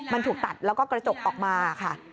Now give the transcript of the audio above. มันถูกตัดแล้วก็กระจกออกมาค่ะ